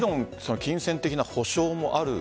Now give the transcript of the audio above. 金銭的な補償もある。